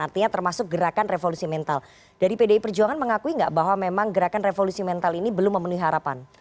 artinya termasuk gerakan revolusi mental dari pdi perjuangan mengakui nggak bahwa memang gerakan revolusi mental ini belum memenuhi harapan